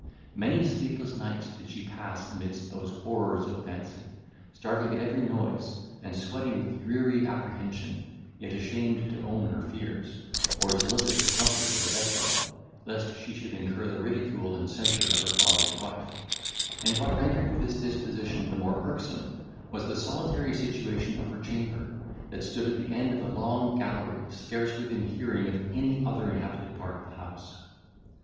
Many sleepless nights did she pass amidst those horrors of fancy, starting at every noise, and sweating with dreary apprehension, yet ashamed to own her fears, or solicit the comfort of a bedfellow, lest she should incur the ridicule and censure of her father's wife; and what rendered this disposition the more irksome, was the solitary situation of her chamber, that stood at the end of a long gallery scarce within hearing of any other inhabited part of the house.